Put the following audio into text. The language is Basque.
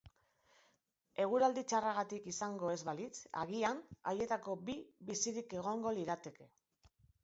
Eguraldi txarragatik izango ez balitz, agian, haietako bi bizirik egongo lirateke.